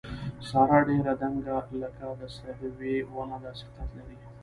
ساره ډېره دنګه لکه د سروې ونه داسې قد لري.